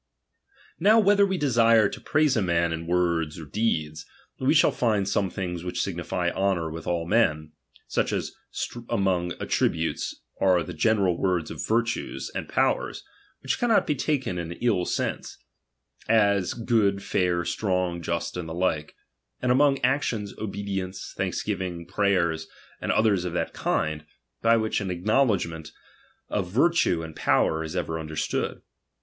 Now whether we desire to praise a man in Atd ter^ ^ords or deeds, we shall find some things which rai, and sn signify honour with all men : such as among attri "'''"™^ butes, are the general words of virtues and po wers, which cannot be taken in ill sense ; as S*>od, fair, strong, just, and the like: and among f^otions, obedience, thanksgiving, prayers, and otliers of that kind, by which an acknowledgment of virtue and power is ever understood.